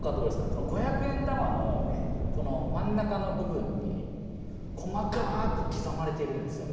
この五百円玉のこの真ん中の部分に細かく刻まれているんですよね。